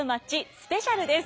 スペシャルです！